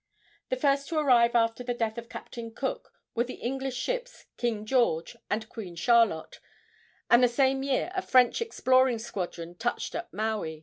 The first to arrive after the death of Captain Cook were the English ships King George and Queen Charlotte, and the same year a French exploring squadron touched at Maui.